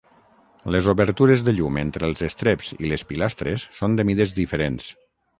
Les obertures de llum entre els estreps i les pilastres són de mides diferents.